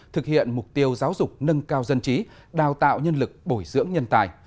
thực hiện mục tiêu giáo dục nâng cao dân trí đào tạo nhân lực bồi dưỡng nhân tài